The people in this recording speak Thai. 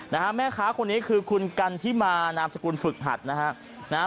แม่ค้าคนนี้คือคุณกันที่มานามสกุลฝึกหัดนะฮะนะฮะ